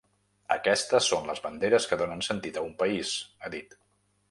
Aquestes són les banderes que donen sentit a un país, ha dit.